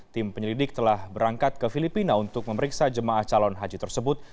tim penyelidik telah berangkat ke filipina untuk memeriksa jemaah calon haji tersebut